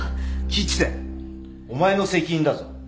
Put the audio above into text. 吉瀬お前の責任だぞ！